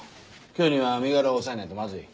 今日には身柄を押さえないとまずい。